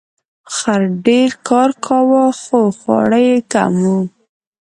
خر ډیر کار کاوه خو خواړه یې کم وو.